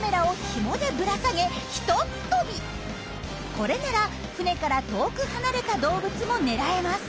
これなら船から遠く離れた動物も狙えます。